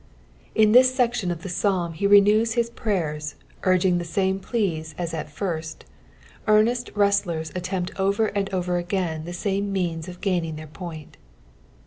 In tliis section of the PRsIm he rencna his prayers, arging the sune pleas as at first : earnest wrestlera attempt over and over again the same means of gnimiig their point.